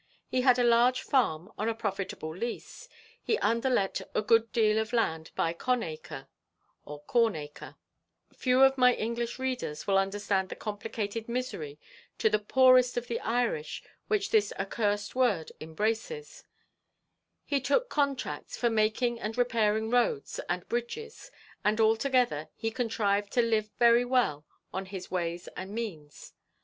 He had a large farm on a profitable lease; he underlet a good deal of land by con acre, or corn acre; few of my English readers will understand the complicated misery to the poorest of the Irish which this accursed word embraces; he took contracts for making and repairing roads and bridges; and, altogether, he contrived to live very well on his ways and means.